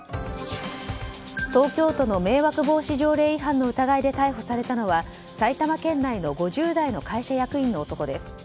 東京都の迷惑防止条例違反の疑いで逮捕されたのは埼玉県内の５０代の会社役員の男です。